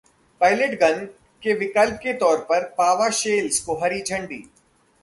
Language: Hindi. पैलेट गन के विकल्प के तौर पर पावा शेल्स को हरी झंडी